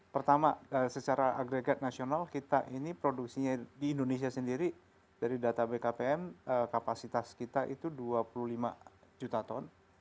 pertama secara agregat nasional kita ini produksinya di indonesia sendiri dari data bkpm kapasitas kita itu dua puluh lima juta ton